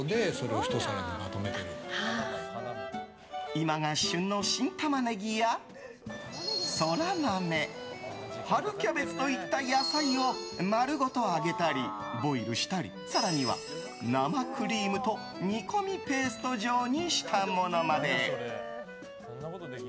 今が旬の新タマネギやソラマメ春キャベツといった野菜を丸ごと揚げたり、ボイルしたり更には生クリームと煮込みペースト状にしたものまで。